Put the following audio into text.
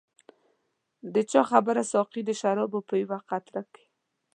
د چا خبره ساقي د شرابو په یوه قطره کې.